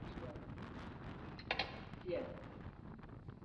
To představuje překážku rozvoje a prosperity.